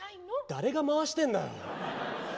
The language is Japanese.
誰が回してんだよ。